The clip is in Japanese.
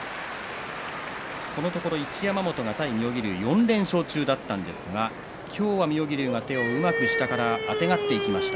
このところ一山本が対妙義龍４連勝中だったんですが今日は妙義龍が手をうまく下からあてがっていきました。